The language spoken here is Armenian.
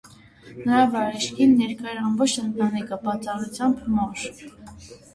Նրա վայրէջքին ներկա էր ամբողջ ընտանիքը, բացառությամբ մոր։